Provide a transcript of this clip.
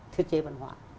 thiết chế văn hóa